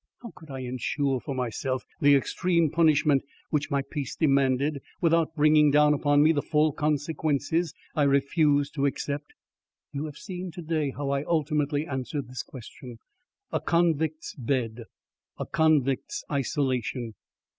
How could I insure for myself the extreme punishment which my peace demanded, without bringing down upon me the full consequences I refused to accept. You have seen to day how I ultimately answered this question. A convict's bed! a convict's isolation.